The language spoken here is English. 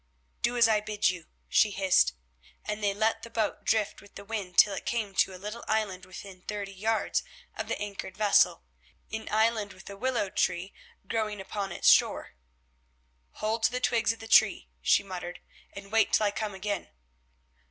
"Do as I bid you," she hissed, and they let the boat drift with the wind till it came to a little island within thirty yards of the anchored vessel, an island with a willow tree growing upon its shore. "Hold to the twigs of the tree," she muttered, "and wait till I come again."